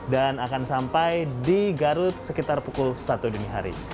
dan akan sampai di garut sekitar pukul dry satu hari